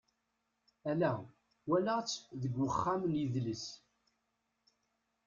Ala, walaɣ-tt deg wexxam n yidles.